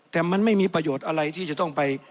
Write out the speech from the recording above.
แต่มันไม่มีประโยชน์อะไรที่จะต้องไป